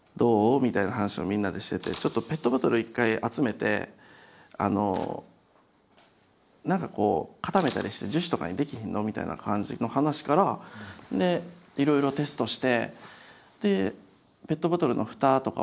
みたいな話をみんなでしててちょっとペットボトル一回集めてあの何かこう固めたりして樹脂とかに出来ひんの？みたいな感じの話からいろいろテストして。